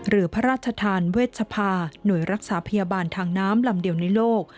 เรือพระราชทานเวชภาหน่วยรักษาพยาบาลทางน้ำลำเดียวในโลก